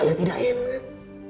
saya tidak enak